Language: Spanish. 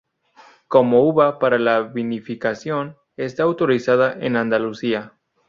Como uva para la vinificación, está autorizada en Andalucía.